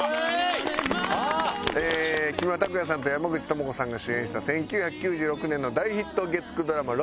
木村拓哉さんと山口智子さんが主演した１９９６年の大ヒット月９ドラマ『ロングバケーション』。